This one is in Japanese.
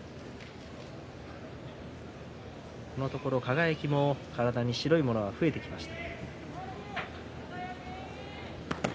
このところ輝も体に白いものが増えてきました。